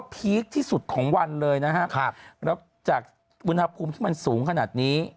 พีคที่สุดของวันเลยนะครับแล้วจากอุณหภูมิที่มันสูงขนาดนี้